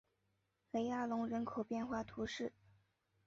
雷阿隆人口变化图示